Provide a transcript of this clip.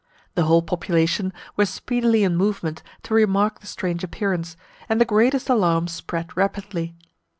The whole population were speedily in movement to remark the strange appearance, and the greatest alarm spread rapidly.